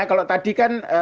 kalau tadi kan